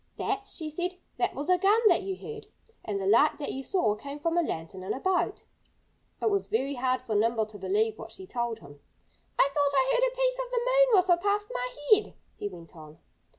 "That " she said "that was a gun that you heard. And the light that you saw came from a lantern in a boat." It was very hard for Nimble to believe what she told him. "I thought I heard a piece of the moon whistle past my head," he went on.